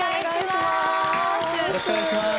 よろしくお願いします。